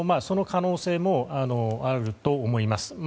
その可能性もあると思います。